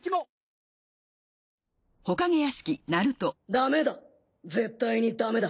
ダメだ絶対にダメだ。